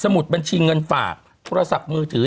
มุดบัญชีเงินฝากโทรศัพท์มือถือ